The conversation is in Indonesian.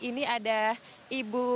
ini ada ibu